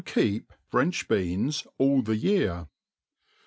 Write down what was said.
7i i^ep French Beans all the Tear.